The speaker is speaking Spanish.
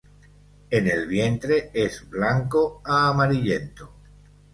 En el vientre es blanco a amarillento.